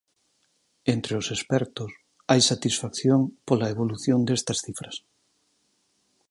Entre os expertos, hai satisfacción pola evolución destas cifras.